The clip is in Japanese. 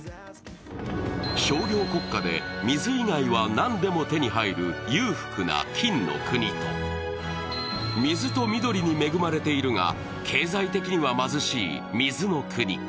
商業国家で水以外は何でも手に入る裕福な金の国と水と緑に恵まれているが経済的には貧しい水の国。